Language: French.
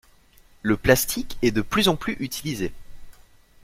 Le plastique est de plus en plus utilisé.